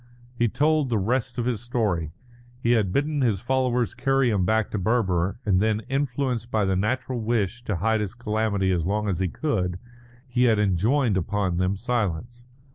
He told the rest of his story. He had bidden his followers carry him back to Berber, and then, influenced by the natural wish to hide his calamity as long as he could, he had enjoined upon them silence.